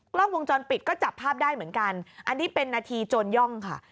กล้องวงจรปิดก็จับภาพได้เหมือนกันอันนี้เป็นนาทีโจรย่องค่ะ